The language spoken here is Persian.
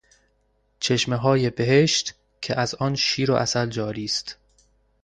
چشمههای بهشت که از آن شیر و عسل جاری است